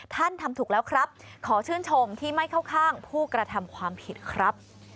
ท่านทำถูกแล้วครับขอชื่นชมที่ไม่เข้าข้างผู้กระทำความผิดครับ